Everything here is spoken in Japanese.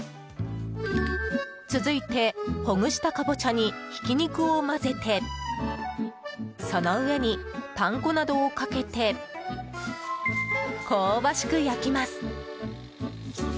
続いて、ほぐしたカボチャにひき肉を混ぜてその上にパン粉などをかけて香ばしく焼きます。